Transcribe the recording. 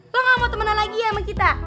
lo gak mau temenan lagi ya sama kita